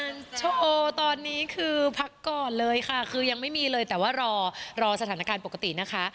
โอตอนนี้คือพักก่อนเลยค่ะคือยังไม่มีเลยแต่ว่ารอรอสถานการณ์ปกตินะคะ